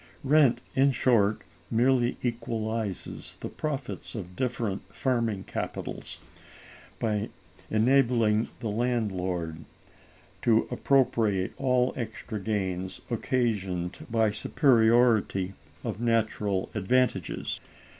Rent, in short, merely equalizes the profits of different farming capitals, by enabling the landlord to appropriate all extra gains occasioned by superiority of natural advantages.